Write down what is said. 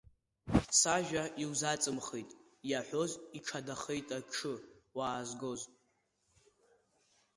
Сажәа иузаҵымхит иаҳәоз, Иҽадахеит аҽы уаазгоз.